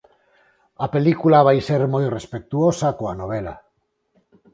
A película vai ser moi respectuosa coa novela.